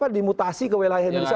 dimutasi ke wilayah indonesia